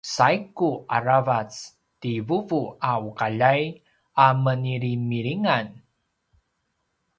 saigu aravac ti vuvuaqaljay a menilimilingan